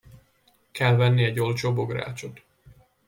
Kell venni egy olcsó bográcsot.